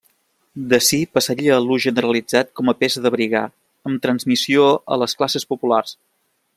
D'ací passaria a l'ús generalitzat com a peça d'abrigar, amb transmissió a les classes populars.